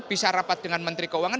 bisa rapat dengan menteri keuangan